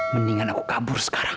mendingan aku kabur sekarang